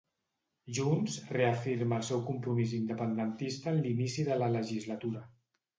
Junts reafirma el seu compromís independentista en l'inici de la legislatura.